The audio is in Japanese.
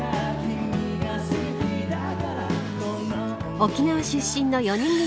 沖縄出身の４人組